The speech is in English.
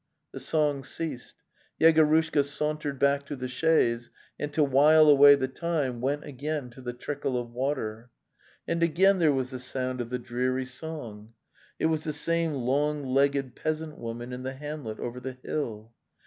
The song ceased. Yegorushka sauntered back to the chaise, and to while away the time went again to the trickle of water. And again there was the sound of the dreary song. It was the same long legged peasant woman in the hamlet over the hill.